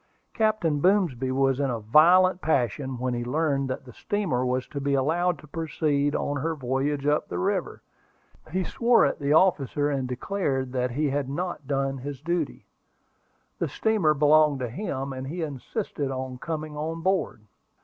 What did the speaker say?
Captain Boomsby was in a violent passion when he learned that the steamer was to be allowed to proceed on her voyage up the river. He swore at the officer, and declared that he had not done his duty. The steamer belonged to him, and he insisted on coming on board.